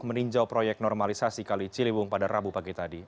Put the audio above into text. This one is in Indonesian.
meninjau proyek normalisasi kali ciliwung pada rabu pagi tadi